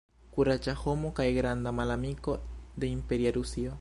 Kuraĝa homo kaj granda malamiko de imperia Rusio.